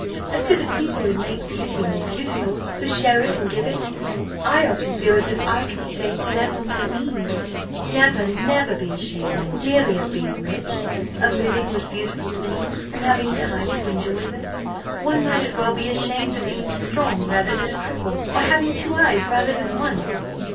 As to the people who make beauty more beautiful who share it and give it I often feel as if I could say to them on my knees, Never, never be ashamed merely of being rich of living with beautiful things, and having time to enjoy them! One might as well be ashamed of being strong rather than a cripple, or having two eyes rather than one!"